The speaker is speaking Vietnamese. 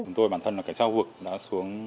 chúng tôi bản thân là cái trao cuộc đã xuống